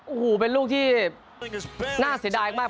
โอ้โหเป็นลูกที่น่าเสียดายมาก